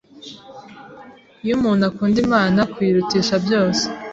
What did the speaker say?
Iyo umuntu akunda Imana kuyirutisha byose,